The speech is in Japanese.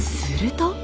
すると。